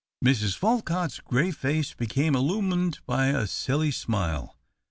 Mrs. Folcutt's gray face became illumined by a silly smile.